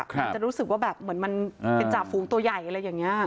จะรู้สึกว่าแบบเหมือนมันเป็นจ่าฝูงตัวใหญ่อะไรอย่างนี้